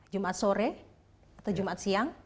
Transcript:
jumat sore atau jumat siang